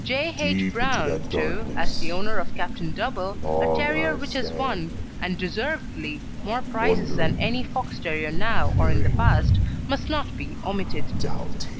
J. H. Brown, too, as the owner of Captain Double, a terrier which has won, and deservedly, more prizes than any Fox terrier now or in the past, must not be omitted.